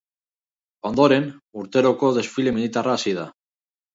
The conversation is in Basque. Ondoren, urteroko desfile militarra hasi da.